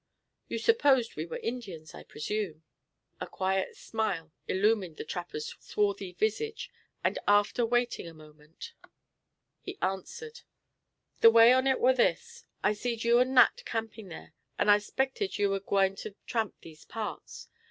You supposed we were Indians, I presume?" A quiet smile illumined the trapper's swarthy visage; and, after waiting a moment, he answered: "The way on it war this: I seed you and Nat camping there, and I s'pected you war gwine to tramp these parts.